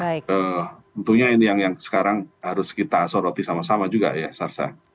tentunya ini yang sekarang harus kita soroti sama sama juga ya sarsa